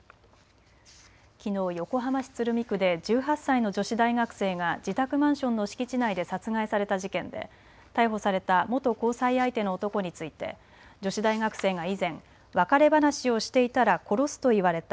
きのう横浜市鶴見区で１８歳の女子大学生が自宅マンションの敷地内で殺害された事件で逮捕された元交際相手の男について女子大学生が以前別れ話をしていたら殺すと言われた。